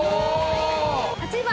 ８番。